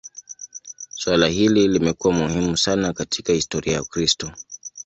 Suala hili limekuwa muhimu sana katika historia ya Ukristo.